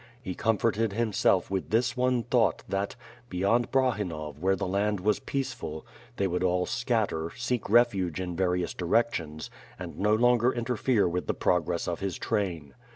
He comforted himself with this one thought, that, beyond Brahinov where the land was peace ful, they would all scatter, seek refuge in various directions, and no longer interfere with the progress of his train.